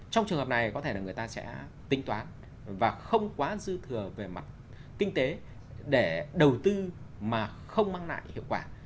trong trường hợp này có thể là người ta sẽ tính toán và không quá dư thừa về mặt kinh tế để đầu tư mà không mang lại hiệu quả